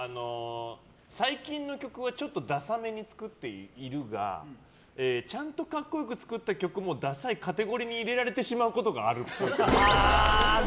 最近の曲はちょっとダサめに作っているがちゃんと格好良く作った曲もダサいカテゴリーに入れられてしまうことがあるっぽい。